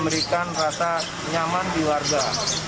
rasa nyaman di warga